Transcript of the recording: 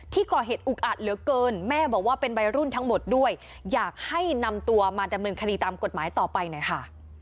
ที่ก่อเหตุอุกอัดเหลือเกินแม่บอกว่าเป็นวัยรุ่นทั้งหมดด้วยอยากให้นำตัวมาดำเนินคดีตามกฎหมายต่อไปหน่อยค่ะ